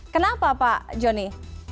kenapa pak jonny